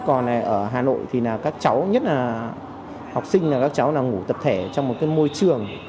còn ở hà nội thì là các cháu nhất là học sinh là các cháu là ngủ tập thể trong một cái môi trường